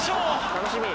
楽しみ。